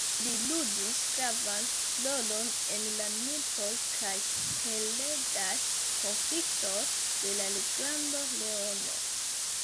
Li ludis gravan rolon en la militoj kaj heredaj konfliktoj de la Reĝlando Leono.